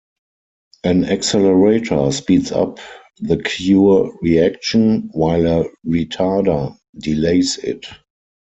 An accelerator speeds up the cure reaction, while a retarder delays it.